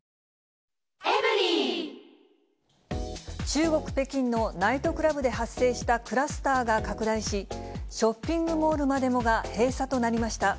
中国・北京のナイトクラブで発生したクラスターが拡大し、ショッピングモールまでもが閉鎖となりました。